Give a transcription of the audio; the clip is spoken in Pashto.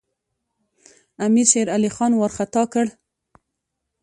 امیر شېرعلي خان وارخطا کړ.